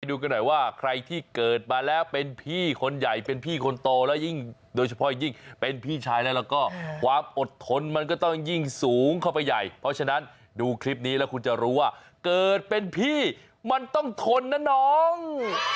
ดูกันหน่อยว่าใครที่เกิดมาแล้วเป็นพี่คนใหญ่เป็นพี่คนโตแล้วยิ่งโดยเฉพาะยิ่งเป็นพี่ชายแล้วก็ความอดทนมันก็ต้องยิ่งสูงเข้าไปใหญ่เพราะฉะนั้นดูคลิปนี้แล้วคุณจะรู้ว่าเกิดเป็นพี่มันต้องทนนะน้อง